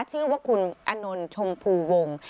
ชื่อว่าคุณอนนท์ชมพูวง